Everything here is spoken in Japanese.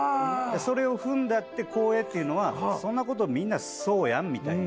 それを「踏んだって光栄」っていうのはそんな事みんなそうやんみたいな。